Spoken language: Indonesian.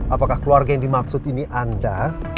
apakah keluarga yang dimaksud ini anda